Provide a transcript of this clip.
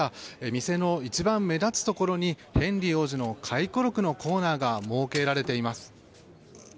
店の一番目立つところにヘンリー王子の回顧録のコーナーが設けられています。